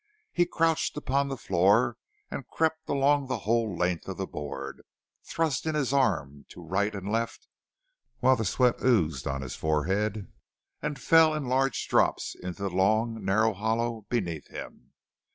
He crouched upon the floor and crept along the whole length of the board, thrusting in his arm to right and left, while the sweat oozed on his forehead and fell in large drops into the long, narrow hollow beneath him.